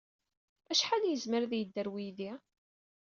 Acḥal ay yezmer ad yedder uydi?